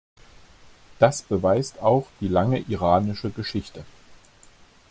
Das beweist auch die lange iranische Geschichte.